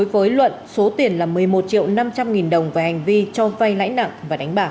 với luận số tiền là một mươi một triệu năm trăm linh nghìn đồng về hành vi cho vay lãi nặng và đánh bạc